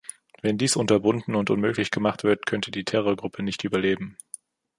Wenn dies unterbunden und unmöglich gemacht wird, könnte die Terrorgruppe nicht überleben.